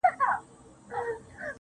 ستا په تعويذ كي به خپل زړه وويني~